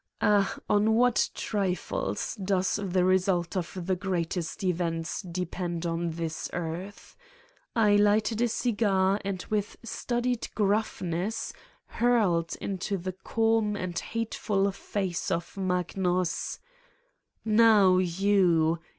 . ah, on what trifles does the result of the greatest events depend on this earth 1 I lighted a cigar and 248 Satan's with studied gruffness hurled into the calm and hateful face of Magnus : "Now, you!